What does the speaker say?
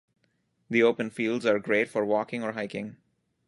The open fields are great for walking or hiking.